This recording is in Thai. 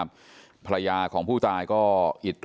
นายพิรายุนั่งอยู่ติดกันแบบนี้นะคะ